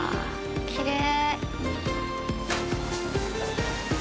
きれい。